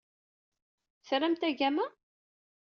Tramt agama?